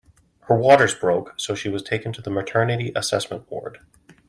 Her waters broke so she was taken to the maternity assessment ward.